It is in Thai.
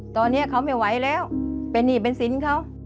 ตอนนี้เขาไม่ไหวแล้วเป็นหนี้เป็นสินเขา